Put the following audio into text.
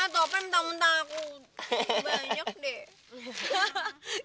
tau kan tante aku banyak deh